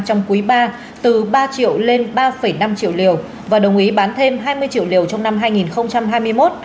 trong quý ba từ ba triệu lên ba năm triệu liều và đồng ý bán thêm hai mươi triệu liều trong năm hai nghìn hai mươi một